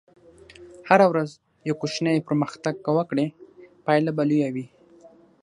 هره ورځ یو کوچنی پرمختګ که وکړې، پایله به لویه وي.